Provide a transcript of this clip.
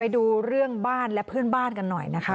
ดูเรื่องบ้านและเพื่อนบ้านกันหน่อยนะคะ